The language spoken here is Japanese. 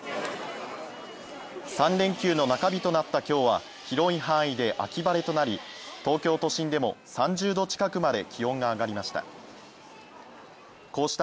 ３連休の中日となった今日は広い範囲で秋晴れとなり、東京都心でも３０度近くまで気温が上がりました。